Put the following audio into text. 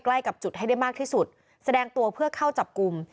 ใกล้กับจุดให้ได้มากที่สุดแสดงตัวเพื่อเข้าจับกลุ่ม